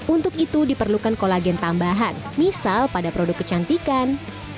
untuk itu diperlukan kolagen tambahan misal pada produk kecantikan